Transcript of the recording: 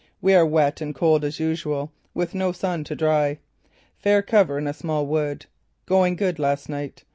We are wet and cold as usual, with no sun to dry. Fair cover in a small wood. Going good last night.